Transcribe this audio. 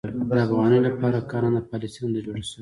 د افغانیو لپاره کارنده پالیسي نه ده جوړه شوې.